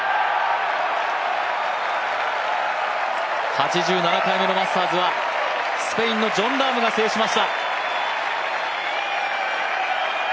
８７回目のマスターズはスペインのジョン・ラームが制しました。